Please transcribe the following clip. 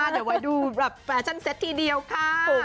เดี๋ยวไว้ดูแบบแฟชั่นเซ็ตทีเดียวค่ะ